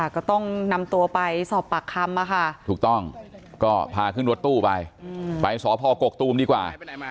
ก็ต้องนำตัวไปสอบปากคำถูกต้องก็พาขึ้นรถตู้ไปไปสพกกตูมดีกว่า